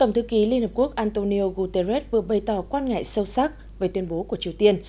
tổng thư ký liên hợp quốc antonio guterres vừa bày tỏ quan ngại sâu sắc về tuyên bố của triều tiên